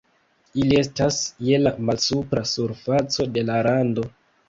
Ili estas je la malsupra surfaco de la rando.